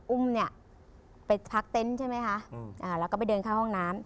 อุ้มเนี่ยไปพักเต็นต์ใช่ไหมคะแล้วก็ไปเดินเข้าห้องน้ำ